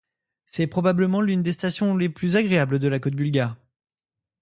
C'est probablement l'une des stations les plus agréables de la côte bulgare.